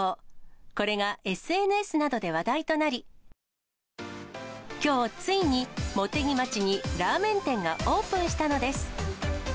これがＳＮＳなどで話題となり、きょう、ついに茂木町にラーメン店がオープンしたのです。